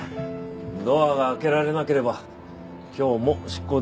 ドアが開けられなければ今日も執行できませんね。